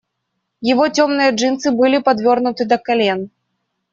Его темные джинсы были подвёрнуты до колен.